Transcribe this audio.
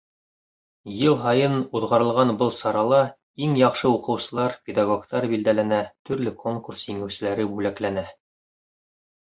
Йыл һайын уҙғарылған был сарала иң яҡшы уҡыусылар, педагогтар билдәләнә, төрлө конкурс еңеүселәре бүләкләнә.